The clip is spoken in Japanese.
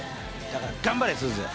だから頑張れすず。